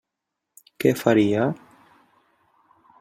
Què faria?